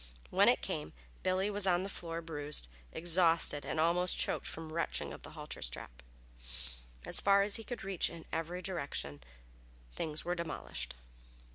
When it came Billy lay on the floor bruised, exhausted and almost choked from the wrenching of the halter strap. As far as he could reach in every direction things were demolished.